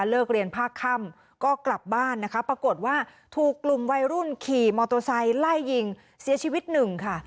เลิกเรียนภาคค่ำก็กลับบ้านนะคะปรากฏว่าถูกกลุ่มวัยรุ่นขี่มอเตอร์ไซค์ไล่ยิงเสียชีวิตหนึ่งค่ะ